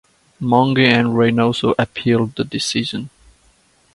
Monge and Reynoso appealed the decision.